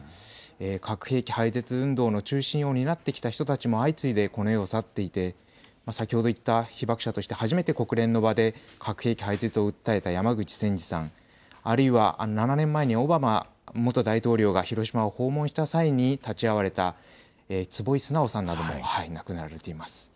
核兵器廃絶運動の中心を担ってきた人たちも相次いでこの世を去っていて先ほどいった被爆者として初めて国連の場で核兵器廃絶を訴えた山口仙二さん、あるいは７年前にオバマ元大統領が広島を訪問した際に立ち会われた坪井直さんなども亡くなられています。